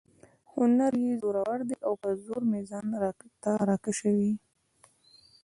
هنر یې زورور دی او په زور مې ځان ته را کشوي.